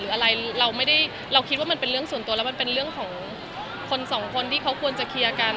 อะไรเราไม่ได้เราคิดว่ามันเป็นเรื่องส่วนตัวแล้วมันเป็นเรื่องของคนสองคนที่เขาควรจะเคลียร์กัน